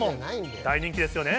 大人気ですよね。